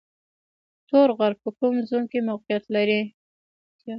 تور غر په کوم زون کې موقعیت لري؟